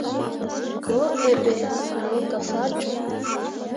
Goo ǝǝ ɓe no gah faa cok.